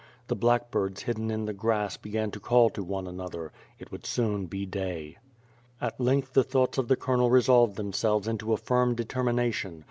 The blackbirds hidden in the grass began to call to one another; it would soon be day. At length the thoughts of the colonel resolved themselves into a firm determination.